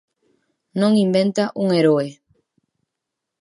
Non inventa un heroe.